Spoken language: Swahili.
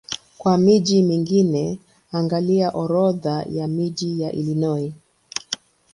Kwa miji mingine angalia Orodha ya miji ya Illinois.